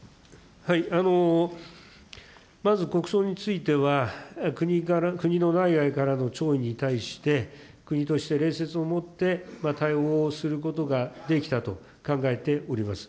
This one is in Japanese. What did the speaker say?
まず国葬については、国の内外からの弔意に対して、国として礼節をもって対応をすることができたと考えております。